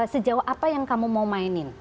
sejauh apa yang kamu mau mainin